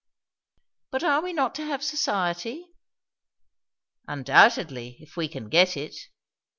"But are we not to have society?" "Undoubtedly, if we can get it."